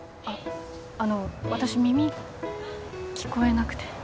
あっあの私耳聞こえなくて